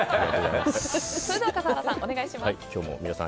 それでは笠原さんお願いします。